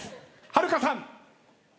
はるかさん。